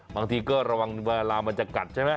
บางทีก็ระวังเวลามันจะกัดใช่ไหม